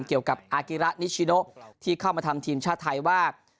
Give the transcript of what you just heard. เกี่ยวกับอากิระนิชิโนที่เข้ามาทำทีมชาติไทยว่า